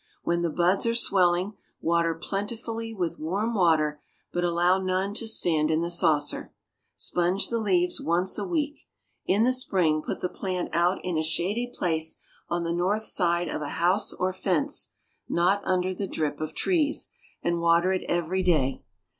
When the buds are swelling, water plentifully with warm water, but allow none to stand in the saucer. Sponge the leaves once a week. In the spring put the plant out in a shady place on the north side of a house or fence, not under the drip of trees, and water it every day.